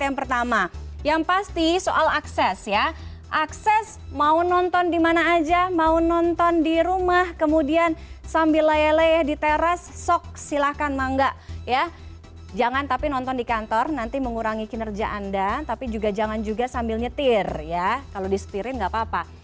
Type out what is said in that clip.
yang pertama yang pasti soal akses ya akses mau nonton dimana aja mau nonton di rumah kemudian sambil lele leh di teras sok silahkan mangga ya jangan tapi nonton di kantor nanti mengurangi kinerja anda tapi juga jangan juga sambil nyetir ya kalau disepirin gak apa apa